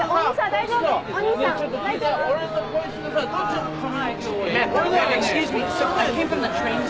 大丈夫か？